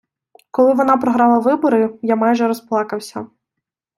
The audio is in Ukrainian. Коли вона програла вибори, я майже розплакався.